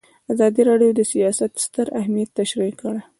ازادي راډیو د سیاست ستر اهميت تشریح کړی.